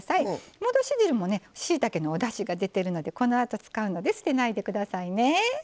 戻し汁もねしいたけのおだしが出てるのでこのあと使うので捨てないで下さいね。